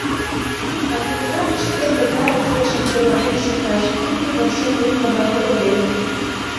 А кугыжаныш кӧргӧ калык илышым тӧрлатен шукташ имне пукшен лукмо гай огыл вет.